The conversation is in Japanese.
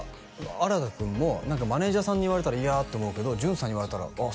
新太君も何かマネージャーさんに言われたらいやって思うけど淳さんに言われたらあっ